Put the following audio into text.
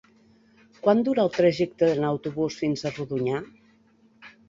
Quant dura el trajecte en autobús fins a Rodonyà?